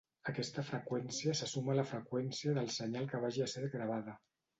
Aquesta freqüència se suma a la freqüència del senyal que vagi a ser gravada.